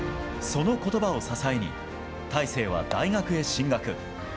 そのことばを支えに、大勢は大学へ進学。